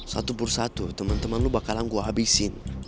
satu persatu temen temen lo bakalan gue habisin